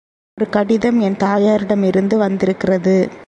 ஒரு கடிதம் என் தாயாரிடமிருந்து வந்திருக்கிறது.